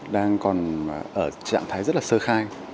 đang còn ở trạng thái rất là sơ khai